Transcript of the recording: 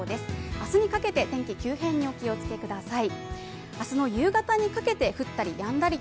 明日にかけて、天気急変にお気をつけください。